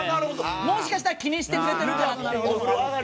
もしかしたら気にしてくれてるかなって。